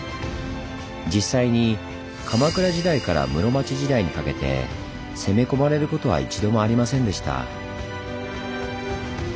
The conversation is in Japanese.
実際に鎌倉時代から室町時代にかけて攻め込まれることは一度もありませんでした。